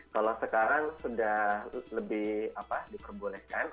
kalau sekarang sudah lebih diperbolehkan